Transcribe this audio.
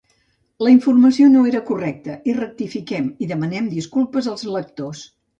La informació no era correcta i rectifiquem i demanem disculpes als lectors.